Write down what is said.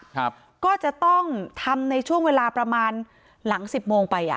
ครับก็จะต้องทำในช่วงเวลาประมาณหลังสิบโมงไปอ่ะ